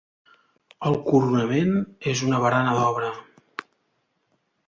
El coronament és una barana d'obra.